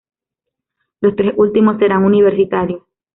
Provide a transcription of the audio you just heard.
Los tres últimos serán universitarios.